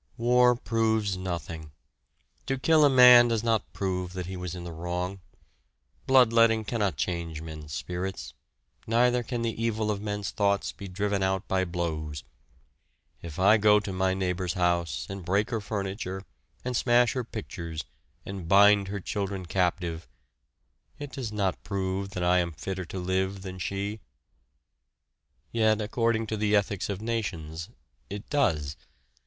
War proves nothing. To kill a man does not prove that he was in the wrong. Bloodletting cannot change men's spirits, neither can the evil of men's thoughts be driven out by blows. If I go to my neighbor's house, and break her furniture, and smash her pictures, and bind her children captive, it does not prove that I am fitter to live than she yet according to the ethics of nations it does.